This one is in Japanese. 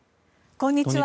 こんにちは。